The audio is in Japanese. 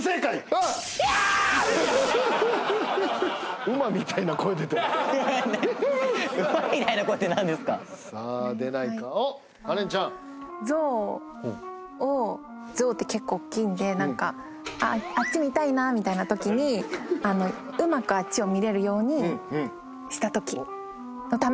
おっカレンちゃん象を象って結構大きいんで何かあっち見たいなみたいなときにうまくあっちを見れるようにしたときのため！